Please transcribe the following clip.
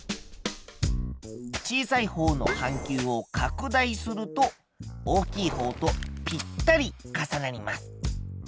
小さいほうの半球を拡大すると大きいほうとぴったり重なります。